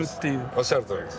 おっしゃるとおりです。